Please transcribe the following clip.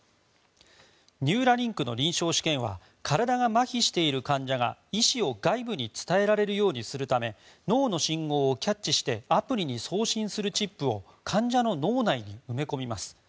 ニューラリンクの臨床試験は体がまひしている患者が意思を外部に伝えられるようにするため脳の信号をキャッチしてアプリに送信するチップを患者の脳内に埋め込みます。